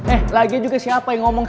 eh lagi juga siapa yang ngomong